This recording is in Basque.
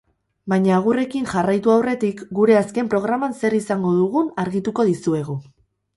Baina agurrekin jarraitu aurretik gure azken programan zer izango dugun argituko dizuegu.